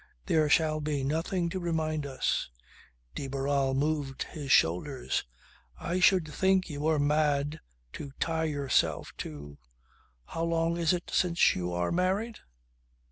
There shall be nothing to remind us." De Barral moved his shoulders. "I should think you were mad to tie yourself to ... How long is it since you are married?"